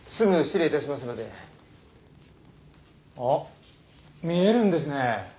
あっ見えるんですね